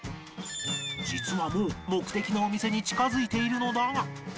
実はもう目的のお店に近づいているのだが